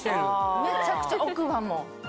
めちゃくちゃ奥歯も。